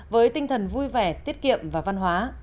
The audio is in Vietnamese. với tinh thần vui vẻ tiết kiệm và văn hóa